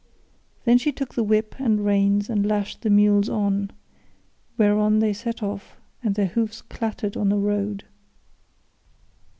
Then she took the whip and reins and lashed the mules on, whereon they set off, and their hoofs clattered on the road.